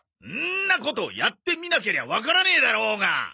んなことやってみなけりゃわからねえだろうが！